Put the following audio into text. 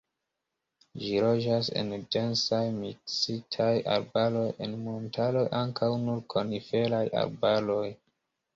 Ĝi loĝas en densaj, miksitaj arbaroj, en montaroj ankaŭ nur koniferaj arbaroj.